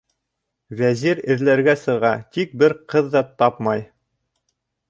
Вәзир эҙләргә сыға, тик бер ҡыҙ ҙа тапмай.